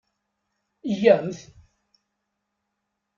Yya-mt!